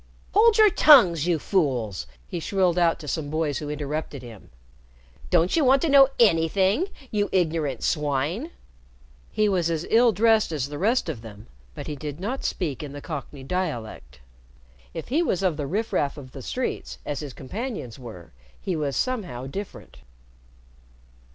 "Hold your tongues, you fools!" he shrilled out to some boys who interrupted him. "Don't you want to know anything, you ignorant swine?" He was as ill dressed as the rest of them, but he did not speak in the Cockney dialect. If he was of the riffraff of the streets, as his companions were, he was somehow different.